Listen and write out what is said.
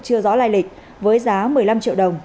chưa rõ lai lịch với giá một mươi năm triệu đồng